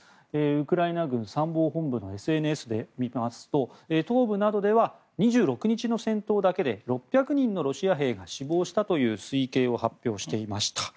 ウクライナ軍参謀本部のＳＮＳを見ますと東部などでは２６日の戦闘だけで６００人のロシア兵が死亡したという推計を発表していました。